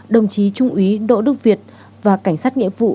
đồng chí trung úy đỗ đức việt và cảnh sát nghĩa vụ